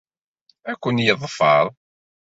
Ad ken-yeḍfer.